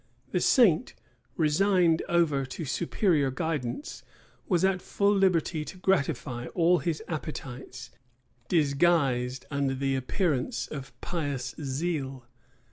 [*] The saint, resigned over to superior guidance, was at full liberty to gratify all his appetites, disguised under the appearance of pious zeal.